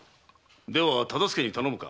では忠相に頼むか？